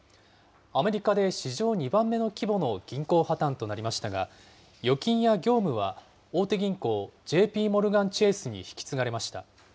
アメリカで史上２番目の規模の銀行破綻となりましたが、預金や業務は大手銀行、ＪＰモルガン・チェースに引き継がれました。